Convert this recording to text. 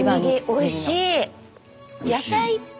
おいしい。